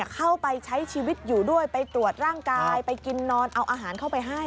เข้าไปใช้ชีวิตอยู่ด้วยไปตรวจร่างกายไปกินนอนเอาอาหารเข้าไปให้